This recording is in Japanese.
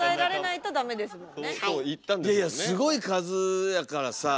いやいやすごい数やからさあ。